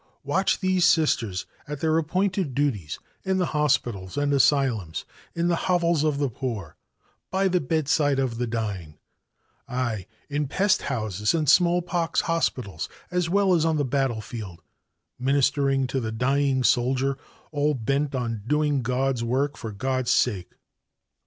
Watch these sisters at their appointed duties in the hospitals and asylums, in the hovels of the poor, by the bedside of the dying aye, in pesthouses and smallpox hospitals, as well as on the battlefield, ministering to the dying soldier all bent on doing God's work for God's sake.